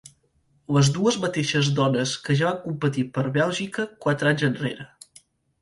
Les dues mateixes dones que ja van competir per Bèlgica quatre anys enrere.